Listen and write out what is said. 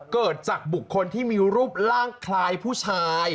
เกิดจากบุคคลที่มีรูปร่างคล้ายผู้ชาย